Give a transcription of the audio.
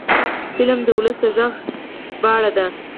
فلم د ولس د غږ ژباړه ده